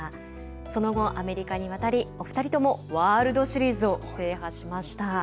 その後アメリカに渡りお二人ともワールドシリーズを制覇しました。